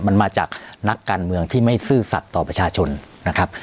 มันมาจากนักการเมืองที่ไม่ซื่อสัตว์ต่อประชาชนนะครับ